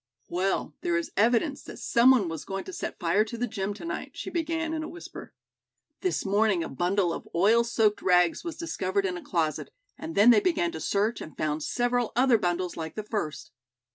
"Well, there is evidence that someone was going to set fire to the gym. to night," she began, in a whisper. "This morning a bundle of oil soaked rags was discovered in a closet, and then they began to search and found several other bundles like the first.